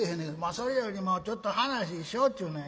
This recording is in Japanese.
「それよりもちょっと話しようちゅうねん。